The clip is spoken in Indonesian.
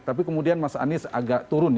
tapi kemudian mas anies agak turun